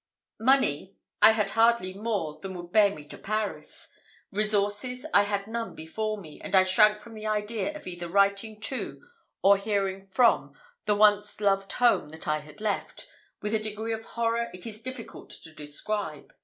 Money, I had hardly more than would bear me to Paris; resources, I had none before me, and I shrank from the idea of either writing to, or hearing from, the once loved home that I had left, with a degree of horror it is difficult to describe.